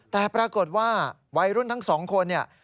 แต่ปรากฏว่าวัยรุ่นทั้งสองคนเนี่ย